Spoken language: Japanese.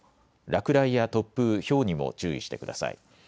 落雷や突風、ひょうにも注意してください。